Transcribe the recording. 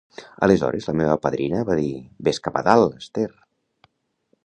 Aleshores, la meva padrina va dir: "Ves cap a dalt, Esther!"